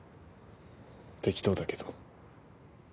適当だけど。